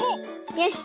よし。